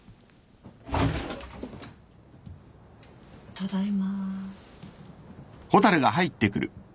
・ただいま。